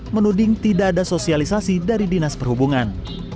menuding tidak ada sosialisasi dari dinas perhubungan